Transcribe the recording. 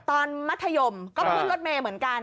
ตอนมัธยมก็พูดลดเมล์เหมือนกัน